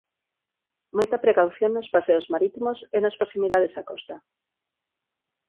Moita precaución nos paseos marítimos e nas proximidades á costa.